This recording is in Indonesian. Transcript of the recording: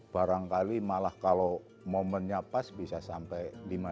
tiga ribu tiga ribu barangkali malah kalau momennya pas bisa sampai lima ribu